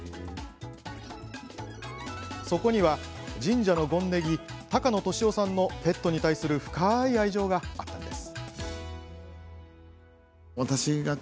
そこには神社の権禰宜高野敏雄さんのペットに対する深い愛情があったんです。